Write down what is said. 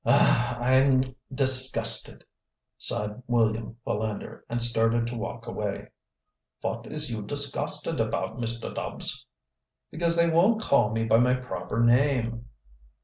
"Oh, I am disgusted!" sighed William Philander, and started to walk away. "Vot is you disgusted apout, Mr. Dubbs?" "Because they won't call me by my proper name."